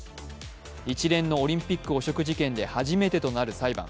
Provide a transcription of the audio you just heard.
一連のオリンピック汚職事件で初めてとなる裁判。